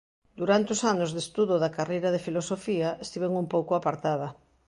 Durante os anos de estudo da carreira de Filosofía estiven un pouco apartada.